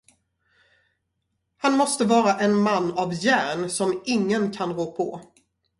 Han måste vara en man av järn som ingen kan rå på.